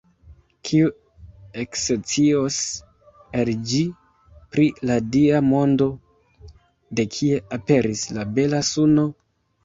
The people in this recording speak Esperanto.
Kiu ekscios el ĝi pri la Dia mondo: De kie aperis la bela suno?